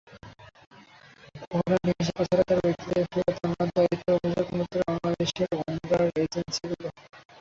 ওমরাহ্ ভিসায় পাচার করা ব্যক্তিদের ফেরত আনার দায়িত্ব অভিযুক্ত বাংলাদেশের ওমরাহ্ এজেন্সিগুলোর।